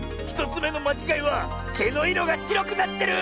１つめのまちがいはけのいろがしろくなってる！